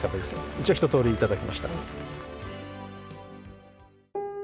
一応一とおり頂きました。